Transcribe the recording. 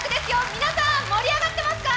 皆さん、盛り上がってますか？